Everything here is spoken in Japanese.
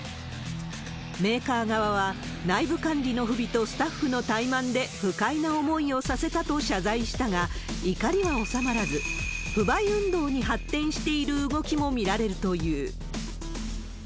メーカー側は、内部管理の不備とスタッフの怠慢で不快な思いをさせたと謝罪したが、怒りは収まらず、不買運動に発展している動きも見られるという。